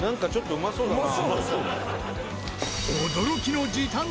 うまそうだね。